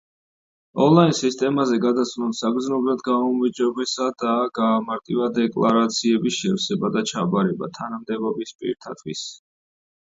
ონლაინ სისტემაზე გადასვლამ საგრძნობლად გააუმჯობესა და გაამარტივა დეკლარაციების შევსება და ჩაბარება თანამდებობის პირთათვის.